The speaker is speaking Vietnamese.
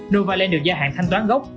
novaland được gia hạn thanh toán gốc